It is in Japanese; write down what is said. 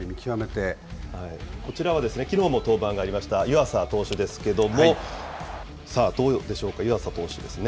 こちらは、きのうも登板がありました湯浅投手ですけれども、さあ、どうでしょうか、湯浅投手ですね。